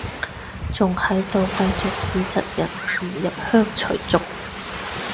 仲喺度繼續指責人唔入鄉隨俗